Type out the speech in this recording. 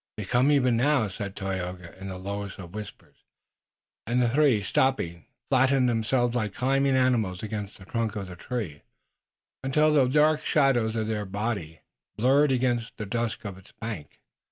"They come even now," said Tayoga, in the lowest of whispers, and the three, stopping, flattened themselves like climbing animals against the trunk of the tree, until the dark shadow of their bodies blurred against the dusk of its bark.